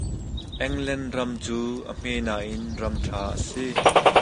England ram cu a hme nain ram ṭha a si.